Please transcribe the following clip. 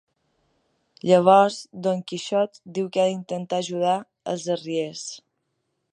Llavors Dom Quixot diu que ha d'intentar ajudar els arriers.